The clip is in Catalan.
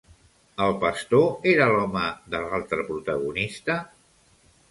El pastor era l'home de l'altra protagonista?